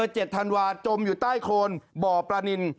เจ็ดธันวาจมอยู่ใต้โคนบ่อปลานิน